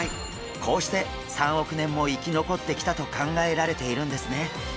こうして３億年も生き残ってきたと考えられているんですね。